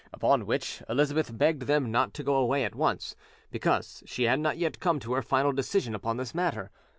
Upon which Elizabeth begged them not to go away at once, because she had not yet come to her final decision upon this matter.